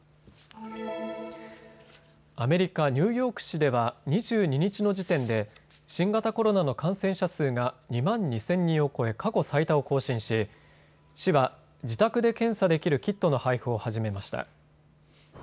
アメリカ・ニューヨーク市では２２日の時点で新型コロナの感染者数が２万２０００人を超え過去最多を更新し市は自宅で検査できるキットの配布を始めました。